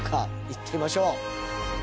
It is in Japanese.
いってみましょう。